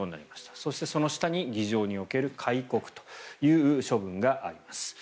そして、その下に議場における戒告という処分があります。